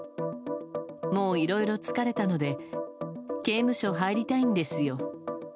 もういろいろ疲れたので刑務所入りたいんですよ。